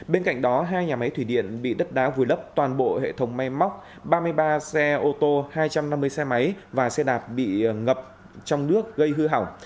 bên cạnh đó hai nhà máy thủy điện bị đất đá vùi lấp toàn bộ hệ thống may móc ba mươi ba xe ô tô hai trăm năm mươi xe máy và xe đạp bị ngập trong nước gây hư hỏng